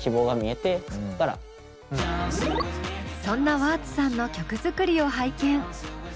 そんなＷｕｒｔＳさんの曲作りを拝見。